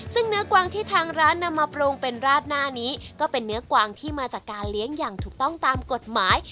ซึ่งเนื้อกวางที่ทางร้านนำมาปรุงเป็นราดหน้านี้ก็เป็นเนื้อกวางที่มาจากการเลี้ยงอย่างถูกต้องตามกฎหมาย